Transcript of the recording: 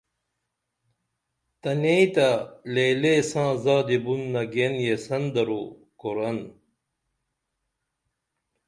تنئیں تیہ لے لے ساں زادی بُن نگئین یسن درو قرآن